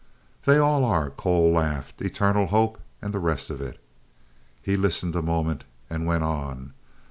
"They all are," Cole laughed. "Eternal hope, and the rest of it." He listened a moment and went on.